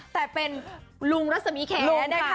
แต่เป็นลุงรัสมิแฮน